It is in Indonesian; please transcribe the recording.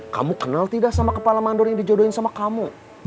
kamu kenal tidak sama kepala mandor yang dijodohin sama kamu